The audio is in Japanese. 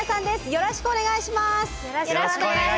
よろしくお願いします。